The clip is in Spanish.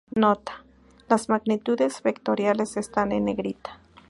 Nota: "Las magnitudes vectoriales están en negrita".